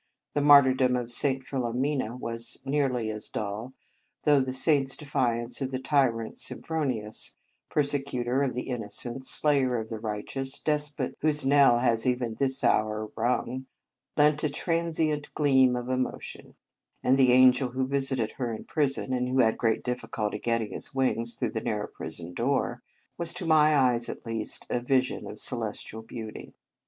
The martyrdom of St. Philomena was nearly as dull, though the saint s defiance of the tyrant Sym phronius " persecutor of the inno cent, slayer of the righteous, despot whose knell has even this hour rung " lent a transient gleam of emotion; and the angel who visited her in prison and who had great difficulty get ting his wings through the narrow prison door was, to my eyes at least, a vision of celestial beauty.